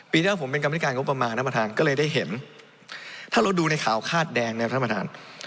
ปีแรกผมเป็นกรรมธิการงบประมาณท่านประธานก็เลยได้เห็นถ้าเราดูในข่าวคาดแดงเนี่ยท่านประธาน